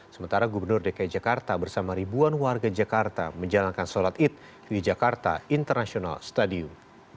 sementara gubernur dki jakarta bersama ribuan warga jakarta menjalankan sholat id di jakarta international stadium